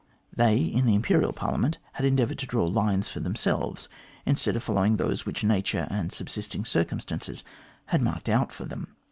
They, in the Imperial Parliament, had endeavoured to draw lines for themselves instead of following those which nature and subsisting circumstances had marked out for them.